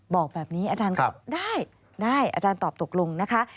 บอกแบบนี้อาจารย์ก็ได้ได้อาจารย์ตอบตกลงนะคะ